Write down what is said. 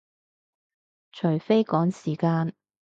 除非趕時間